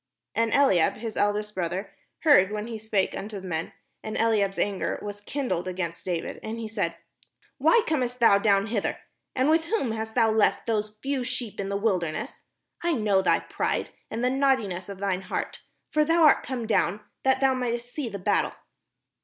And Eliab his eldest brother heard when he spake unto the men; and Eliab's anger was kindled against David, and he said: "Why camest thou down hither? and with whom hast thou left those few sheep in the wilderness? I know thy pride, and the naughtiness of thine heart; for thou art come down that thou mightest see the battle."